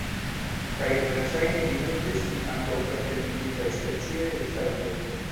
Kaj verŝajne ĝi nutris sin ankaŭ per primitivaj specioj de ŝarkoj.